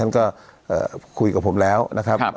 ท่านก็เอ่อคุยกับผมแล้วนะครับครับ